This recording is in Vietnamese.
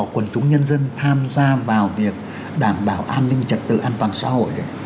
quần chúng nhân dân tham gia vào việc đảm bảo an ninh trật tự an toàn xã hội